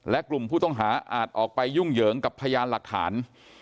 และกลุ่มผู้ต้องหาอาจออกไปยุ่งเหยิงกับพยานหลักฐาน